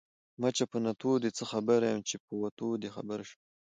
ـ مچه په نتو دې څه خبر يم ،چې په وتو دې خبر شم.